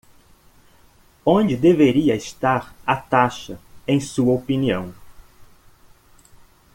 Onde deveria estar a taxa, em sua opinião?